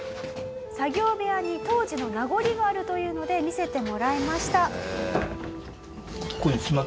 作業部屋に当時の名残があるというので見せてもらいました。